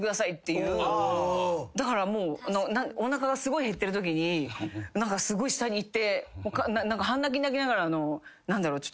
だからおなかがすごい減ってるときに下に行って半泣きになりながら何だろう。